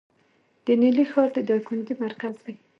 د نیلي ښار د دایکنډي مرکز دی